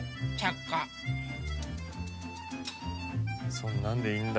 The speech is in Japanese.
そんなんでいいんだ。